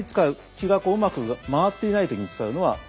気がうまく回っていない時に使うのは柴胡。